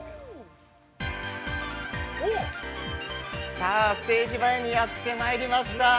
◆さあ、ステージ前にやってまいりました。